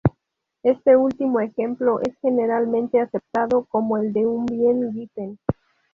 Este último ejemplo es generalmente aceptado como el de un bien Giffen.